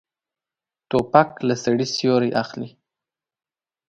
توپک له سړي سیوری اخلي.